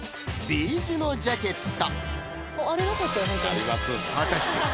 ベージュのジャケット！